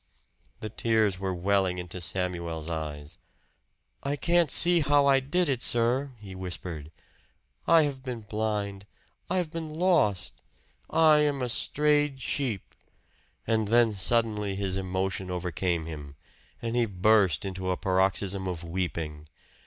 The tears were welling into Samuel's eyes. "I can't see how I did it, sir," he whispered. "I have been blind I have been lost. I am a strayed sheep!" And then suddenly his emotion overcame him, and he burst into a paroxysm of weeping.